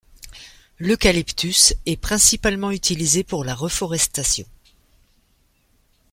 L'eucalyptus est principalement utilisé pour la reforestation.